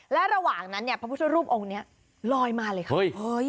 และระหว่างนั้นเนี่ยพระพุทธรูปองค์นี้ลอยมาเลยค่ะเฮ้ย